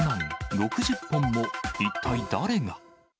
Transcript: ６０本も、一体誰が。